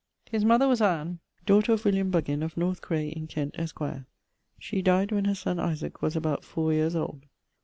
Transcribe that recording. His mother was Anne, daughter of William Buggin of North Cray in Kent, esq. She died when her sonne Isaac was about fower yeares old.